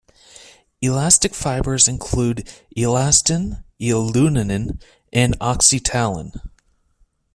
Elastic fibers include elastin, elaunin and oxytalan.